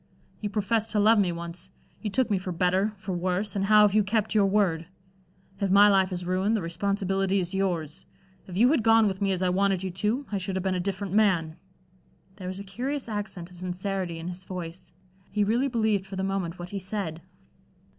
You professed to love me once. You took me for better, for worse, and how have you kept your word? If my life is ruined, the responsibility is yours. If you had gone with me as I wanted you to, I should have been a different man." There was a curious accent of sincerity in his voice. He really believed for the moment what he said.